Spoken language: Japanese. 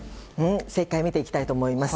正解を見ていきたいと思います。